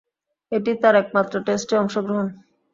এটিই তার একমাত্র টেস্টে অংশগ্রহণ।